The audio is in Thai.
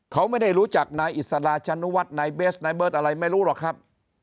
เขาไม่ได้รู้จักนายอิสราชนุวัฒน์นายเบสนายเบิร์ตอะไรไม่รู้หรอกครับ